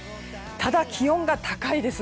ただ、気温が高いです。